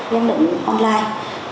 giám định online